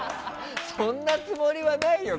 そんなつもりはないよ